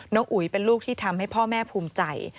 อุ๋ยเป็นลูกที่ทำให้พ่อแม่ภูมิใจ